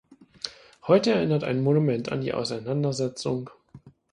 Heute erinnert ein Monument an die Auseinandersetzung.